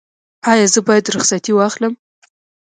ایا زه باید رخصتي واخلم؟